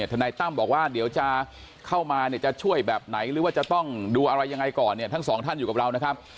ทนายตั้มบอกว่าเดี๋ยวจะเข้ามาเนี่ยจะช่วยแบบไหนหรือว่าจะต้องดูอะไรยังไงก่อนเนี่ยทั้งสองท่านอยู่กับเรานะครับ